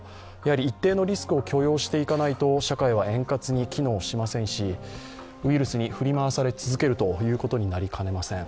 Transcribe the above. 一定のリスクを許容していかないと社会は円滑に機能しませんしウイルスに振り回され続けることになりかねません。